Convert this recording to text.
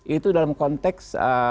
itu dalam konteks